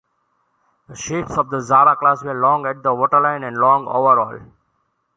The ships of the "Zara" class were long at the waterline and long overall.